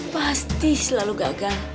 pasti selalu gagal